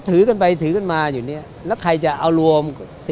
ถือกันไปถือกันมาอยู่เนี่ยแล้วใครจะเอารวม